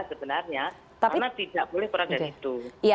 sebenarnya karena tidak boleh kurangnya